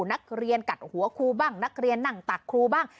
นักเรียนกัดหัวครูบ้างนักเรียนนั่งตักครูบ้าง